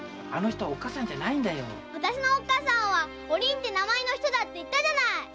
あの人はおっかさんじゃないんだよ。あたしのおっかさんはお凛って名前の人だって言ったじゃない！